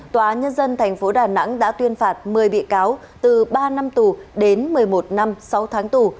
tòa nhân dân tp đà nẵng đã tuyên phạt một mươi bị cáo từ ba năm tù đến một mươi một năm sáu tháng tù